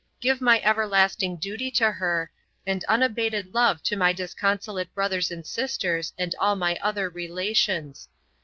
Give my everlasting duty to her, and unabated love to my disconsolate brothers and sisters, and all my other relations.